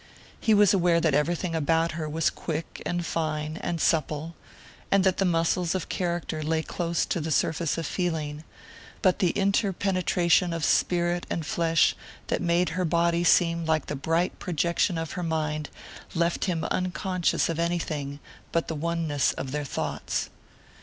He was aware that everything about her was quick and fine and supple, and that the muscles of character lay close to the surface of feeling; but the interpenetration of spirit and flesh that made her body seem like the bright projection of her mind left him unconscious of anything but the oneness of their thoughts.